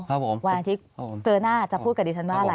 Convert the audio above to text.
วันอาทิตย์เจอหน้าจะพูดกับดิฉันว่าอะไร